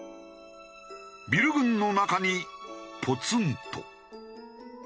ビル群の中にポツンと。